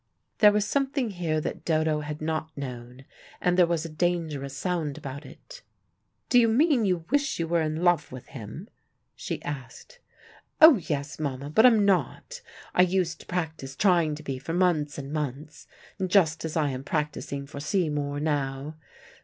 There was something here that Dodo had not known and there was a dangerous sound about it. "Do you mean you wish you were in love with him?" she asked. "Oh, yes, Mama, but I'm not. I used to practice trying to be for months and months, just as I am practising for Seymour now.